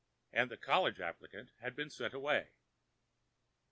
And the college applicant had been sent away.